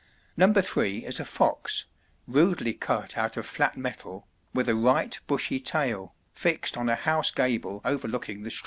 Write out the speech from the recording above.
Number three is a fox, rudely cut out of flat metal, with a "ryghte bushie tayle," fixed on a house gable overlooking the street.